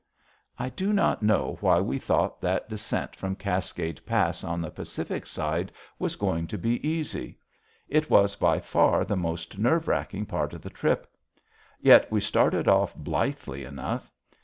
I do not know why we thought that descent from Cascade Pass on the Pacific side was going to be easy. It was by far the most nerve racking part of the trip. Yet we started off blithely enough.